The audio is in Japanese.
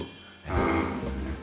うん。